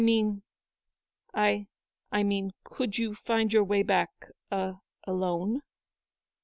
" I — I mean, could you find your way back a — alone."